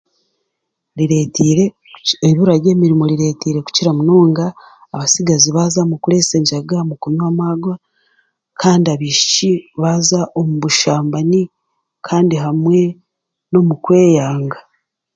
Ibura ry'emiriimu rireetiire kukira munonga abatsigazi baaza omu kuresa enjaaga, omu kunywa amaarwa kandi abaishiki baaza omu bushambani kandi hamwe n'omukweyanga.